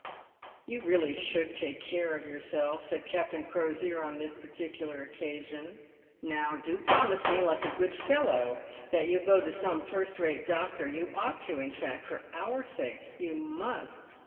"You really should take care of yourself," said Captain Crosier, on this particular occasion. " JN"ow, do promise me, like a good fellow, that you'll go to some first rate doctor. You ought to ; in fact, for our sakes, you must."